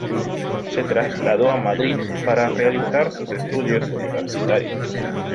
Se trasladó a Madrid para realizar sus estudios universitarios.